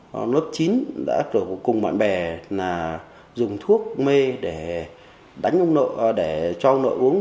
hà gia viễn đã cùng bạn bè dùng thuốc mê để cho ông nội uống